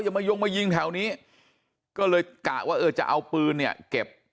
มายงมายิงแถวนี้ก็เลยกะว่าเออจะเอาปืนเนี่ยเก็บ